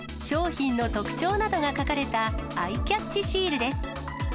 商品の特徴などが書かれたアイキャッチシールです。